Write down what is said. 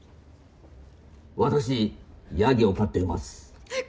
私ヤギを飼っています。